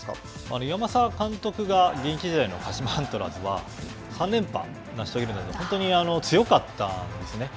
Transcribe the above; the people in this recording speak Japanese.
岩政監督が現役時代の鹿島アントラーズは３連覇を成し遂げるなど本当に強かったんですね。